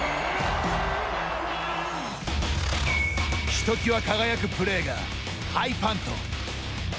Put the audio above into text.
ひときわ輝くプレーがハイパント。